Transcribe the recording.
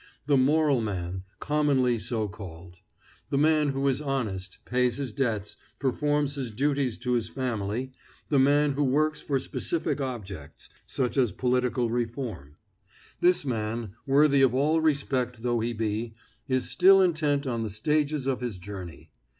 The moral man, commonly so called; the man who is honest, pays his debts, performs his duties to his family; the man who works for specific objects, such as political reform; this man, worthy of all respect though he be, is still intent on the stages of his journey.